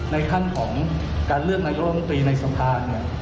ในขั้นของการเลือกนายกรรมตรีในสภาเนี่ย